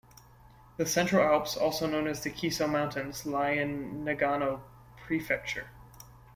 The Central Alps, also known as the Kiso Mountains, lie in Nagano prefecture.